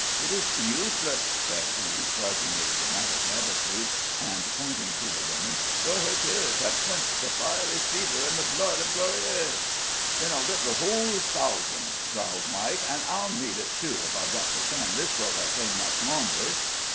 "It is useless," said he, striking a dramatic attitude, and pointing to the woman, "for her tears have quenched the fiery fever in the blood of Glorieaux." "Then I'll git the hull thousand," growled Mike, "an' I'll need it, too, if I've got to stand this sort of thing much longer."